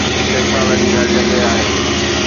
technology هر جڳهه آهي